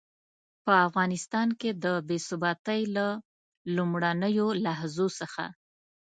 په افغانستان کې د بې ثباتۍ له لومړنيو لحظو څخه.